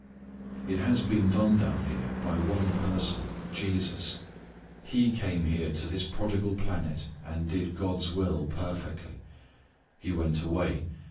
It has been done down here by one person Jesus. He came here to this prodigal planet and did God's will perfectly. He went away.